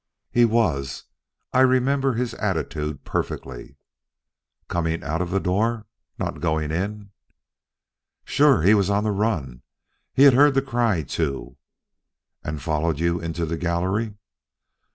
"He was. I remember his attitude perfectly." "Coming out of the door not going in?" "Sure. He was on the run. He had heard the cry too." "And followed you into the gallery?"